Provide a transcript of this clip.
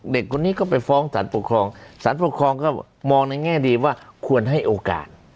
เด็กคนนี้ก็ไปฟ้องสารปกครองสารปกครองก็มองในแง่ดีว่าควรให้โอกาส